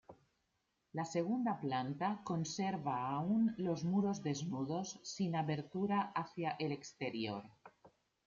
La segunda planta conserva aún los muros desnudos, sin abertura hacia el exterior.